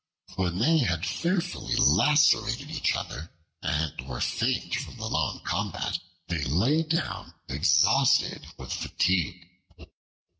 When they had fearfully lacerated each other and were faint from the long combat, they lay down exhausted with fatigue.